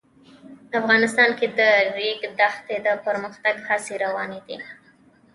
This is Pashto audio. افغانستان کې د د ریګ دښتې د پرمختګ هڅې روانې دي.